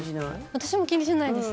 私も気にしないです。